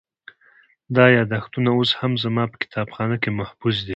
دا یادښتونه اوس هم زما په کتابخانه کې محفوظ دي.